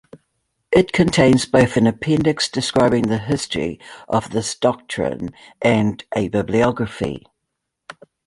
It contains both an appendix describing the history of this doctrine and a bibliography.